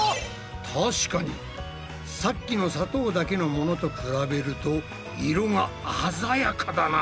確かにさっきの砂糖だけのものと比べると色が鮮やかだな。